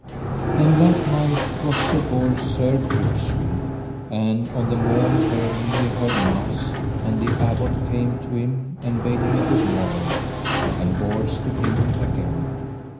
And that night was Sir Bors served richly; and on the morn early he heard mass, and the Abbot came to him, and bade him good morrow, and Bors to him again.